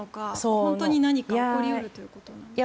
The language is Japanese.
本当に何か起こり得るということですか。